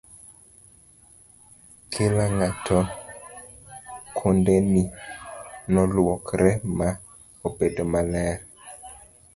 kila ng'ato kondeni noluokre ma abedomaler